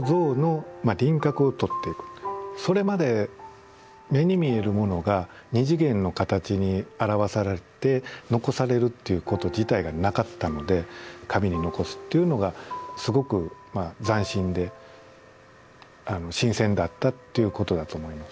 それまで目に見えるものが二次元の形に表されて残されるっていうこと自体がなかったので紙に残すっていうのがすごく斬新で新鮮だったっていうことだと思います。